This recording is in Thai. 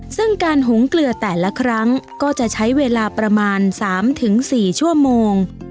ซึ่งการหุงเกลือแต่ละครั้งก็จะใช้เวลาประมาณ๓๔ชั่วโมง